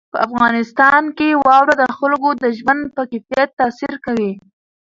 په افغانستان کې واوره د خلکو د ژوند په کیفیت تاثیر کوي.